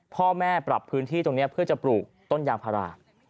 พ่อแม่ปรับพื้นที่ตรงนี้เพื่อจะปลูกต้นยางพารา